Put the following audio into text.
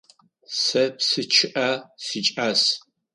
Сэ псы чъыӏэ сикӏас.